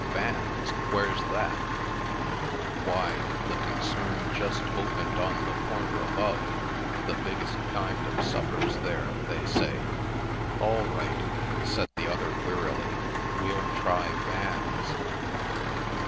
"Van's? Where's that?" "Why, the concern just opened on the corner above. The biggest kind of suppers there, they say." "All right," said the other, wearily. "We'll try Van's."